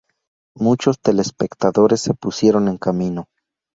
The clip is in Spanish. Muchos telespectadores se pusieron en camino.